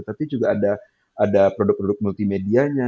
tapi juga ada produk produk multimedianya